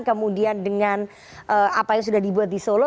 kemudian dengan apa yang sudah dibuat di solo